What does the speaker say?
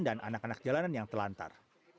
dan anak anak jalanan yang telantar